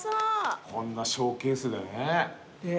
こんなショーケースでね。